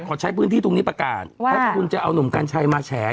ขอใช้พื้นที่ตรงนี้ประกาศว่าคุณจะเอาหนุ่มกัญชัยมาแฉ